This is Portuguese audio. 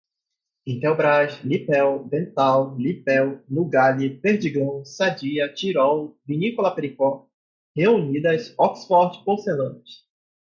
Intelbras, Lippel, Dental, Lippel, Nugali, Perdigão, Sadia, Tirol, Vinícola Pericó, Reunidas, Oxford Porcelanas